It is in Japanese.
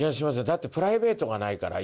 だってプライベートがないから。